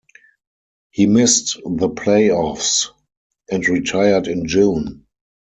He missed the playoffs and retired in June.